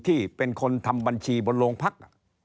ที่เป็นคนทำบัญชีบนโรงพัก